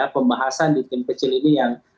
pembahasan di tim kecil ini yang